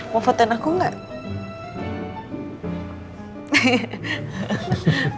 mau fotoin aku gak